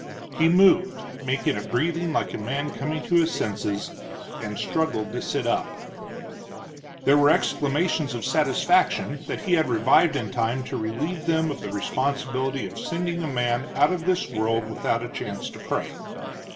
He moved, making a breathing like a man coming to his senses, and struggled to sit up. There were exclamations of satisfaction that he had revived in time to relieve them of the responsibility of sending a man out of the world without a chance to pray.